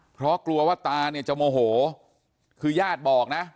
เพราะกลัวว่าตาเนี่ยจะโมโหคือญาติบอกนะ